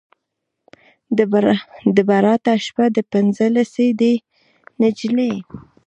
د براته شپه ده پنځلسی دی نجلۍ